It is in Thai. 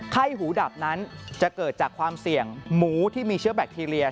ไข้หูดับนั้นจะเกิดจากความเสี่ยงหมูที่มีเชื้อแบคทีเรีย